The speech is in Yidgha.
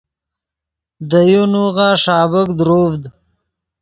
دے یو نوغہ ݰابیک دروڤد